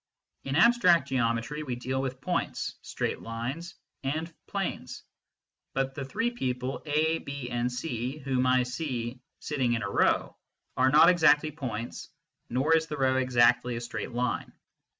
In abstract geometry we deal with points, straight lines, and planes ; but the three people A, B, and C whom I see sitting in a row are not exactly points, nor is the row exactly a straight line.